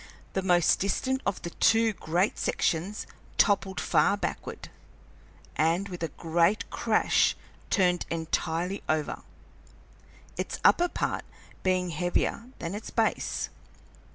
The most distant of the two great sections toppled far backward, and with a great crash turned entirely over, its upper part being heavier than its base.